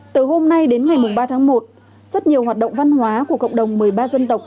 từ hôm nay đến ngày ba tháng một rất nhiều hoạt động văn hóa của cộng đồng một mươi ba dân tộc